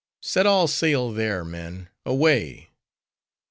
"Set all sail there, men! away!"